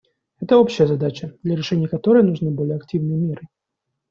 Это общая задача, для решения которой нужны более активные меры.